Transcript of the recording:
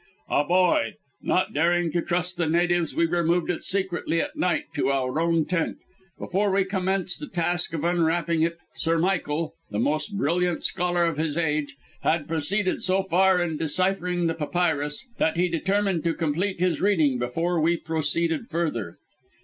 "A boy. Not daring to trust the natives, we removed it secretly at night to our own tent. Before we commenced the task of unwrapping it, Sir Michael the most brilliant scholar of his age had proceeded so far in deciphering the papyrus, that he determined to complete his reading before we proceeded further.